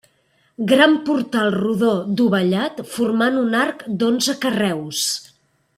Gran portal rodó dovellat formant un arc d'onze carreus.